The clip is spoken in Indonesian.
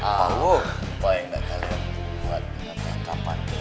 apa yang enggak kalian buat